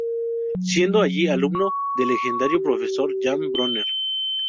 Siendo allí alumno del legendario profesor Jan Bronner.